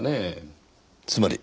つまり。